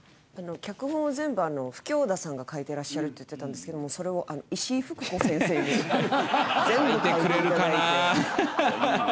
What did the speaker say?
脚本を全部フキョーダさんが書いてらっしゃるって言ってたんですけどそれを石井ふく子先生に全部書いていただいて。